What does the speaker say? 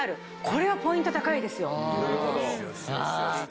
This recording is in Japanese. これはポイント高いですよ。